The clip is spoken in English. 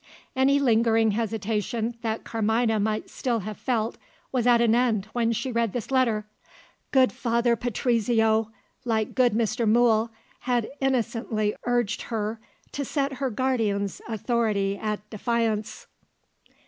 Any lingering hesitation that Carmina might still have felt, was at an end when she read this letter. Good Father Patrizio, like good Mr. Mool, had innocently urged her to set her guardian's authority at defiance.